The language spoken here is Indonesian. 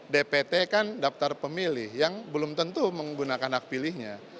dpt kan daftar pemilih yang belum tentu menggunakan hak pilihnya